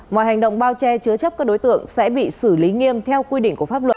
mọi hành động bao che chứa chấp các đối tượng sẽ bị xử lý nghiêm theo quy định của pháp luật